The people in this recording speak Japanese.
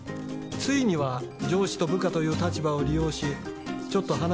ついには上司と部下という立場を利用し「ちょっと話がある。